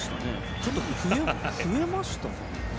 ちょっと増えましたね。